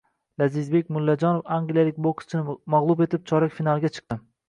Lazizbek Mullajonov angliyalik bokschini mag‘lub etib, chorak finalga chiqdi